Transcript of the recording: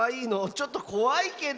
ちょっとこわいけど。